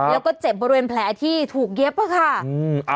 แล้วก็เจ็บบริเวณแผลที่ถูกเย็บค่ะ